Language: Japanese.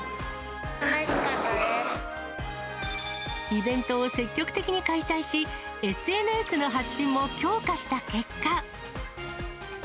イベントを積極的に開催し、ＳＮＳの発信も強化した結果。